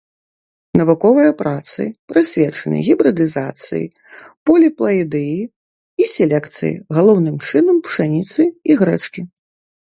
Навуковыя працы прысвечаны гібрыдызацыі, поліплаідыі і селекцыі, галоўным чынам, пшаніцы і грэчкі.